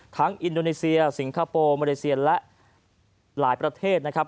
อินโดนีเซียสิงคโปร์มาเลเซียและหลายประเทศนะครับ